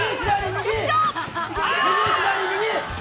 右、左、右。